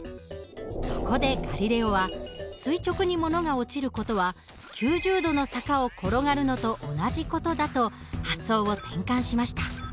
そこでガリレオは垂直に物が落ちる事は９０度の坂を転がるのと同じ事だと発想を転換しました。